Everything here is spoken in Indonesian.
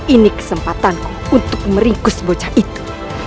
ini kesempatanku untuk meringkus bocah itu